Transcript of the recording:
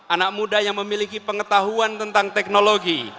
anak muda yang memiliki pengetahuan tentang teknologi